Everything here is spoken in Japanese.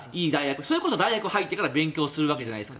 それこそ大学に入ってから勉強するわけじゃないですか。